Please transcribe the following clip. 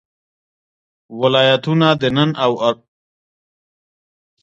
ولایتونه د نن او راتلونکي لپاره ارزښت لري.